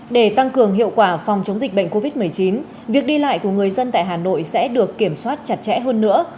để tăng cường hiệu quả phòng chống dịch bệnh covid một mươi chín việc đi lại của người dân tại hà nội sẽ được kiểm soát chặt chẽ hơn nữa